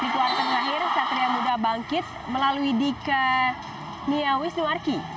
di kuartal terakhir satria muda bangkit melalui dika nia wisnuarki